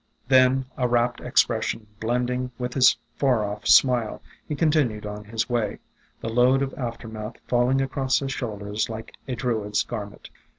Then, a rapt expression blending with his far off smile, he continued on his way, the load of aftermath falling across his shoulders like a Druid's garment.